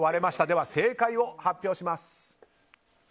では正解を発表します。